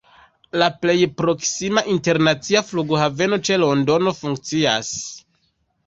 La plej proksima internacia flughaveno ĉe Londono funkcias.